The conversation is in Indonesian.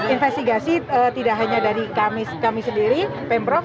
investigasi tidak hanya dari kami sendiri pemprov